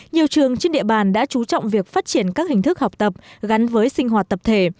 nhiều trường trên địa bàn đã chú trọng việc phát triển các hình thức học tập gắn với sinh hoạt tập thể